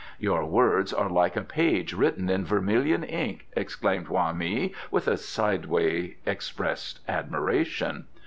"Your words are like a page written in vermilion ink," exclaimed Hoa mi, with a sideway expressed admiration.